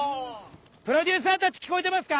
プロデューサーたち聞こえてますか？